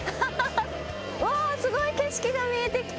うわっすごい景色が見えてきた。